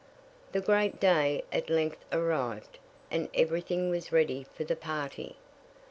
The great day at length arrived, and every thing was ready for the party.